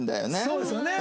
そうですよね。